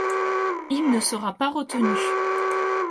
Il ne sera pas retenu.